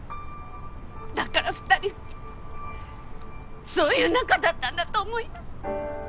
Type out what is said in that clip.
だから２人はそういう仲だったんだと思います。